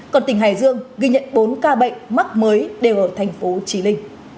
còn tỉnh hải dương ghi nhận bốn ca bệnh mắc mới đều ở thành phố trí linh